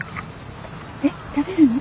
えっ食べるの？